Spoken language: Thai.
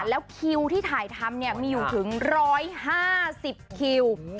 แล้วคิวที่ถ่ายทำเนี่ยมีอยู่ถึง๑๕๐คิว